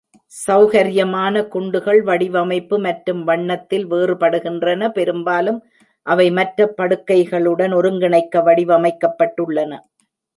செளகர்யமான குண்டுகள் வடிவமைப்பு மற்றும் வண்ணத்தில் வேறுபடுகின்றன, பெரும்பாலும் அவை மற்ற படுக்கைகளுடன் ஒருங்கிணைக்க வடிவமைக்கப்பட்டுள்ளன.